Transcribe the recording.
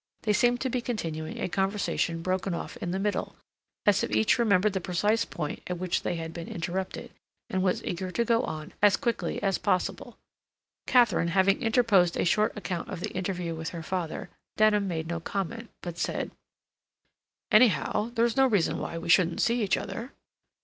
They seemed to be continuing a conversation broken off in the middle, as if each remembered the precise point at which they had been interrupted, and was eager to go on as quickly as possible. Katharine, having interposed a short account of the interview with her father, Denham made no comment, but said: "Anyhow, there's no reason why we shouldn't see each other."